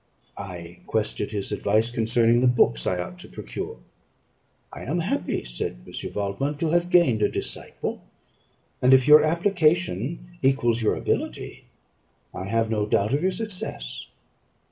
I requested his advice concerning the books I ought to procure. "I am happy," said M. Waldman, "to have gained a disciple; and if your application equals your ability, I have no doubt of your success.